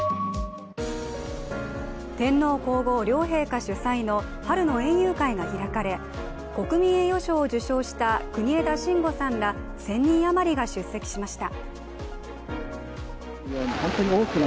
天皇皇后両陛下主催の春の園遊会が開かれ国民栄誉賞を受賞した国枝慎吾さんら１０００人余りが出席しました。